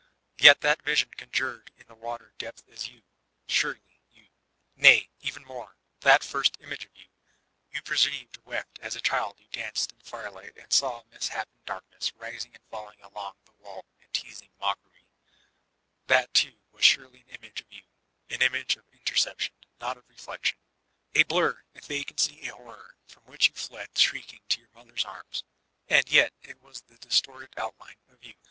Yet that vision conjured in the water depth is yon — surely you. Nay, even more, — that first image of you, you perceived wheft as a diild you danced in the fireli|^t and saw a misshapen darkness rising and f allsQf LlTBlATtntS THE MiRROR OP MaN 363 aloug the wall in teasing mockery, — that too was surely an image of you — an image of interception, not of re flection ; a blur, a vacancy, a horror, from which you fled shrieking to your mother^s arms ;— and yet it was the dis torted outline of you.